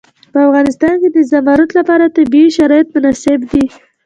په افغانستان کې د زمرد لپاره طبیعي شرایط مناسب دي.